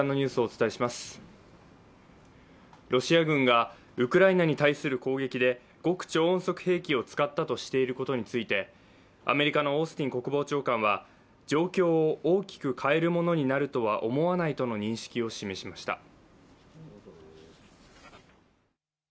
ロシア軍がウクライナに対する攻撃で極超音速兵器を使ったとしていることについて、アメリカのオースティン国防長官は状況を大きく変えるものになるとは思わないとの認識を示しました。